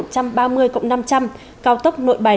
cộng năm trăm linh cao tốc nội bài